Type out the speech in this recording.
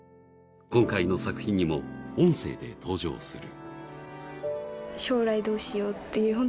今回の作品にも音声で登場する。